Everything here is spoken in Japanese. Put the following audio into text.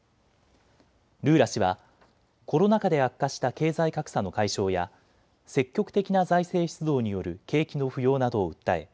ルーラ氏はコロナ禍で悪化した経済格差の解消や積極的な財政出動による景気の浮揚などを訴え